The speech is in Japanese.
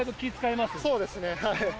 そうですね。